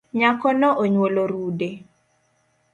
Nyako no onywolo rude